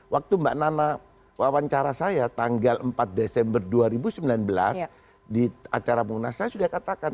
waktu mbak nana wawancara saya tanggal empat desember dua ribu sembilan belas di acara munas saya sudah katakan